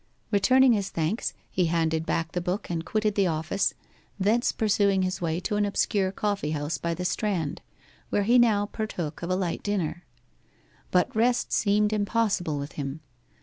Returning his thanks, he handed back the book and quitted the office, thence pursuing his way to an obscure coffee house by the Strand, where he now partook of a light dinner. But rest seemed impossible with him.